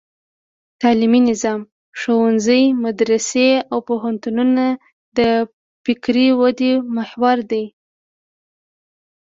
تعلیمي نظام: ښوونځي، مدرسې او پوهنتونونه د فکري ودې محور دي.